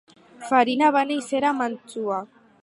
Farina va néixer a Màntua.